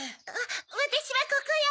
・わたしはここよ！